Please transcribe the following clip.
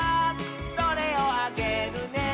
「それをあげるね」